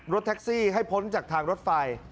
รถแท็กซี่ให้พ้นจากทางรถไฟ